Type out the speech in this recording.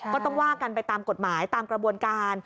ก็ต้องว่ากันไปตามกฎหมายตามกระบวนการ